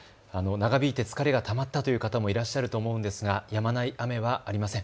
長引いて疲れがたまったという方もいらっしゃると思うんですがやまない雨はありません。